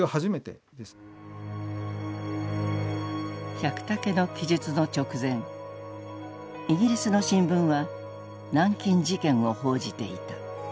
百武の記述の直前イギリスの新聞は南京事件を報じていた。